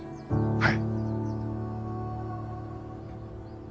はい。